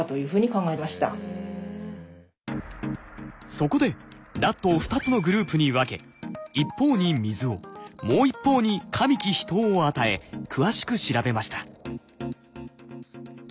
そこでラットを２つのグループに分け一方に水をもう一方に加味帰脾湯を与え詳しく調べました。